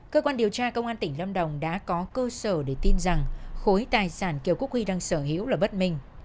cơ quan điều tra công an tỉnh lâm đồng đã có cơ sở để tin rằng khối tài sản kiều quốc huy đang sở hữu là bất minh